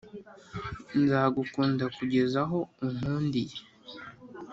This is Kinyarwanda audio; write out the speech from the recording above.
Nzagukunda Kugeza aho unkundiye